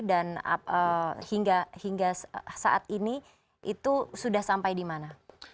dan hingga saat ini itu sudah sampai di mana